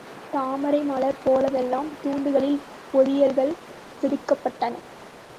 தாமரை மலர் போலெல்லாம் தூண்களில் பொதியல்கள் செதுக்கப்பட்டன.